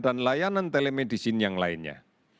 dan layanan telemedicine yang lainnya